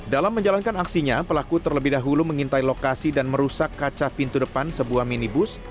dalam menjalankan aksinya pelaku terlebih dahulu mengintai lokasi dan merusak kaca pintu depan sebuah minibus